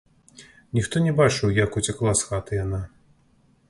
Ніхто не бачыў, як уцякла з хаты яна.